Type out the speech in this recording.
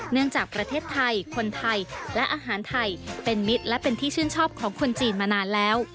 เนื่องจากประเทศไทยคนไทยและอาหารไทยเป็นมิตรและเป็นที่ชื่นชอบของคนจีนมานานแล้ว